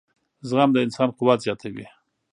• زغم د انسان قوت زیاتوي.